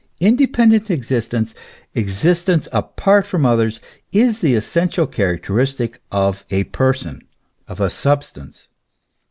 Independent exist ence, existence apart from others, is the essential character istic of a person, of a substance.